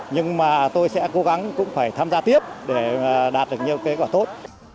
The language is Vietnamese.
nhưng mà tôi sẽ cố gắng cũng phải tham gia tiếp để đạt được nhiều kết quả tốt